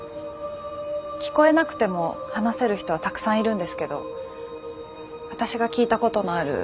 聞こえなくても話せる人はたくさんいるんですけど私が聞いたことのあるパパの言葉って２つだけなんです。